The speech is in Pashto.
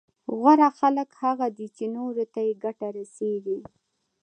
غوره خلک هغه دي چي نورو ته يې ګټه رسېږي